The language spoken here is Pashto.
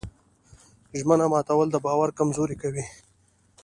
ژمنه ماتول د باور کمزوري کوي.